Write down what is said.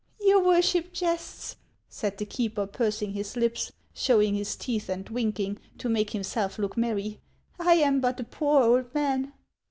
" Your worship jests," said the keeper, pursing his lips, showing his teeth and winking, to make himself look merry. "I am but a poor old man."